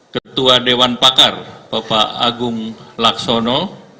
ketua dewan pakar bapak agung laksono